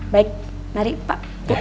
baik mari pak